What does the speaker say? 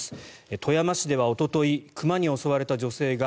富山市ではおととい熊に襲われた女性が